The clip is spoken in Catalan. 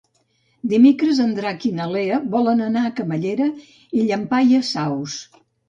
Dimecres en Drac i na Lea volen anar a Camallera i Llampaies Saus.